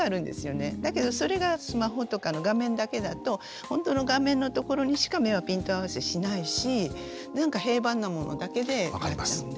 だけどそれがスマホとかの画面だけだとほんとの画面のところにしか目はピント合わせしないしなんか平板なものだけでなっちゃうので。